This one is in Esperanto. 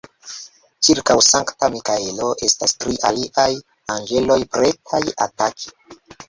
Ĉirkaŭ Sankta Mikaelo estas tri aliaj anĝeloj pretaj ataki.